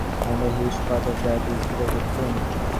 And a huge part of that is because of Tim.